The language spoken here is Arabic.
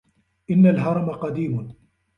إِنَّ الْهَرَمَ قَدِيمٌ.